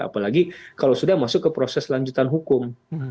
apalagi kalau sudah masuk ke proses lanjutan hukum